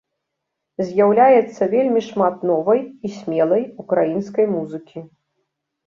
З'яўляецца вельмі шмат новай і смелай ўкраінскай музыкі.